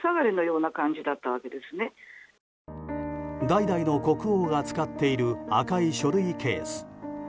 代々の国王が使っている赤い書類ケース。